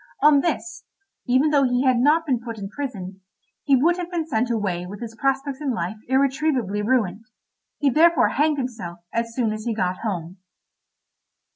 On this, even though he had not been put in prison, he would have been sent away with his prospects in life irretrievably ruined; he therefore hanged himself as soon as he got home.